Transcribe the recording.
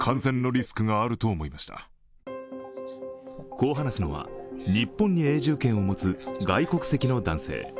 こう話すのは、日本に永住権を持つ外国籍の男性。